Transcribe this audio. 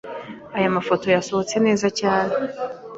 Aya mafoto yasohotse neza cyane.